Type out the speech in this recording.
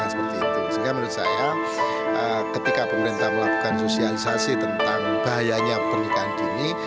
sehingga menurut saya ketika pemerintah melakukan sosialisasi tentang bahayanya pernikahan dini